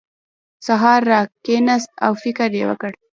سهار راکېناست او فکر یې وکړ.